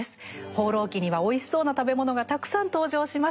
「放浪記」にはおいしそうな食べ物がたくさん登場します。